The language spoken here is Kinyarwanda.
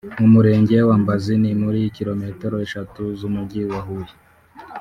mu Murenge wa Mbazi ni muri kilometero eshatu z’Umujyi wa Huye